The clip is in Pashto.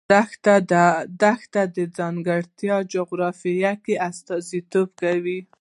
دښتې د ځانګړې جغرافیې استازیتوب کوي.